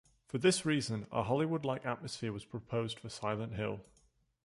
For this reason, a Hollywood-like atmosphere was proposed for "Silent Hill".